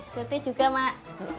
sete juga mak